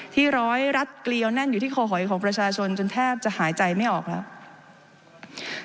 ร้อยรัดเกลียวแน่นอยู่ที่คอหอยของประชาชนจนแทบจะหายใจไม่ออกแล้ว